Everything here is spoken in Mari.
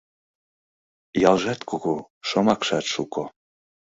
Ялжат кугу, шомакшат шуко -